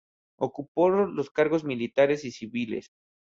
Ocupó otros cargos militares y civiles.